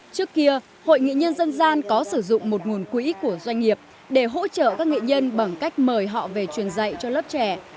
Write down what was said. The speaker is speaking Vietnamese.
trước kia hội nghệ nhân dân gian có sử dụng một nguồn quỹ của doanh nghiệp để hỗ trợ các nghệ nhân bằng cách mời họ về truyền dạy cho lớp trẻ